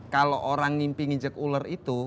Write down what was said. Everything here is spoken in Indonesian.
kalau orang ngimpi nginjek ular itu